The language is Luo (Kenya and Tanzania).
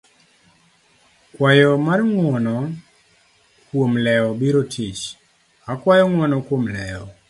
kwayo mar ng'uono kuom lewo biro tich, akwayo ng'uono kuom lewo